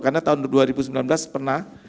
karena tahun dua ribu sembilan belas pernah